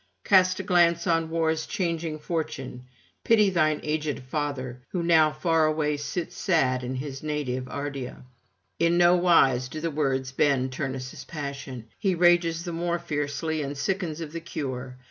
Cast a glance on war's changing fortune; pity thine aged father, who now far away sits sad in his native Ardea.' In nowise do the words bend Turnus' passion: he rages the more fiercely, and sickens of the cure.